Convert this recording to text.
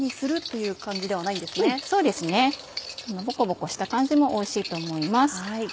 そうですねボコボコした感じもおいしいと思います。